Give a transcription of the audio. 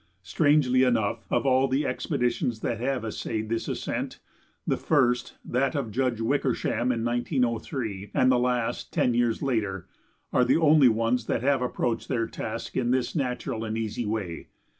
Strangely enough, of all the expeditions that have essayed this ascent, the first, that of Judge Wickersham in 1903, and the last, ten years later, are the only ones that have approached their task in this natural and easy way.